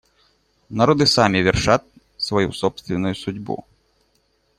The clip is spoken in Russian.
Народы сами вершат свою собственную судьбу.